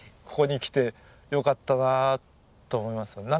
ここに来てよかったなと思いますよ。